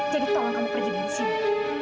jadi tolong kamu pergi dari sini